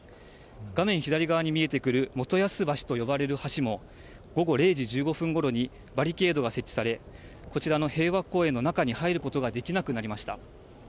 画面左側に見えてくる元安橋と呼ばれる橋も、午後０時１５分ごろに、バリケードが設置され、こちらの平和公園の中に入ることができなくなりました。